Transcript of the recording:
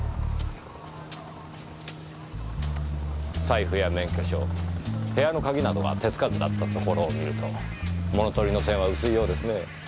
財布や免許証部屋の鍵などは手つかずだったところを見ると物盗りの線は薄いようですね。